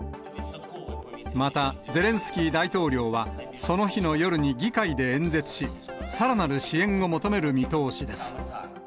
また、ゼレンスキー大統領は、その日の夜に議会で演説し、さらなる支援を求める見通しです。